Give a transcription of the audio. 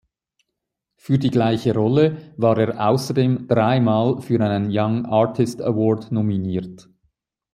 Für die gleiche Rolle war er außerdem dreimal für einen Young Artist Award nominiert.